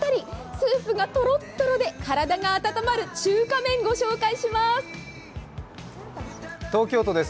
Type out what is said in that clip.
スープがとろっとろで体が温まる中華麺御紹介します。